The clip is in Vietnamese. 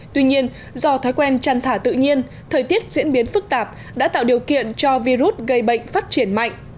tuy nhiên do thói quen chăn thả tự nhiên thời tiết diễn biến phức tạp đã tạo điều kiện cho virus gây bệnh phát triển mạnh